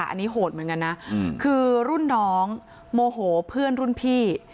อันนี้โหดเหมือนกันนะคือรุ่นน้องโมโหเพื่อนรุ่นพี่